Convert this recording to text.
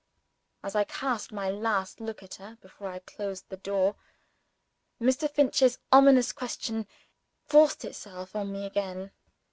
As I cast my last look at her before I closed the door, Mr. Finch's ominous question forced itself on me again.